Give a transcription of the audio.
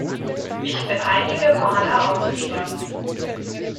Ich bin einige Male aufgestanden.